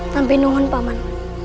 nampi nungun pak man